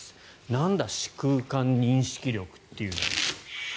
なんだ視空間認識力っていうのは。